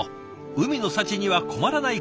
海の幸には困らない国。